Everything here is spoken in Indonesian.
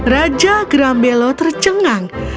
raja grambelo tercengang